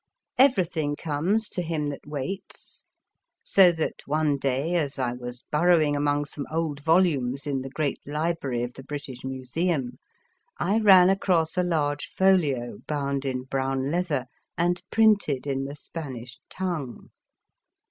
Everything comes to him that waits, so that one day as I was burrowing among some old volumes in the great library of the British Museum, I ran across a large folio bound in brown leather and printed in the Spanish tongue.